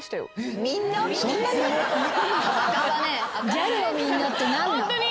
ギャルの「みんな」って何だ？